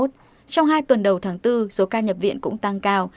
trong hai tuần đầu tháng bốn số ca nhập viện cũng tăng cao